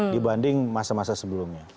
dibanding masa masa sebelumnya